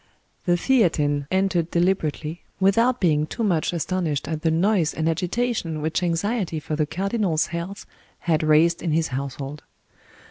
The Theatin entered deliberately, without being too much astonished at the noise and agitation which anxiety for the cardinal's health had raised in his household.